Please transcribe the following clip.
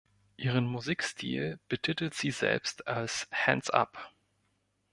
Ihren Musikstil betiteln sie selbst als Hands up.